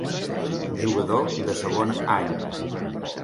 Jugador de segon any.